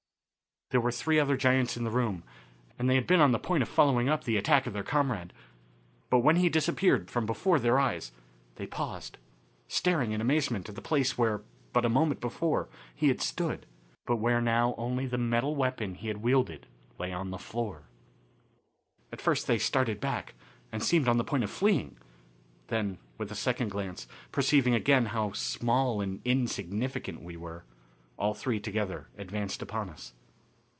There were three other giants in the room, and they had been on the point of following up the attack of their comrade. But when he disappeared from before their eyes, they paused, staring in amazement at the place where, but a moment before, he had stood, but where now only the metal weapon he had wielded lay on the floor. At first they started back, and seemed on the point of fleeing; then, with a second glance, perceiving again how small and insignificant we were, all three together advanced upon us.